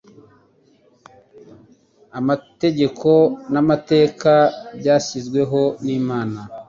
Amategeko n'amateka byashyizweho n'Imana